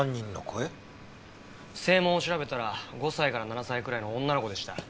声紋を調べたら５歳から７歳くらいの女の子でした。